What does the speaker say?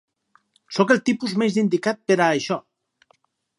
Sóc el tipus menys indicat per a això.